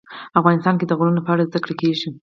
افغانستان کې د غرونه په اړه زده کړه کېږي.